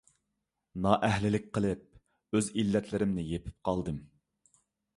نائەھلىلىك قىلىپ، ئۆز ئىللەتلىرىمنى يېپىپ قالدىم.